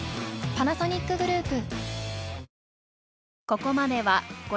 パナソニックグループ。